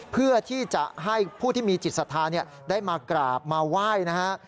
เพื่อที่จะให้ผู้ที่มีจิตศรัทธาได้มากราบมาไหว้นะฮะ